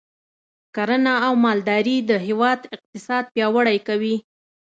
کرنه او مالداري د هیواد اقتصاد پیاوړی کوي.